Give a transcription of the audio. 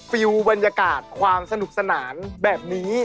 ฟิลบรรยากาศความสนุกสนานแบบนี้